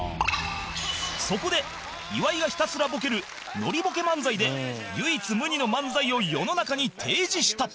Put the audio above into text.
そこで岩井がひたすらボケるノリボケ漫才で唯一無二の漫才を世の中に提示した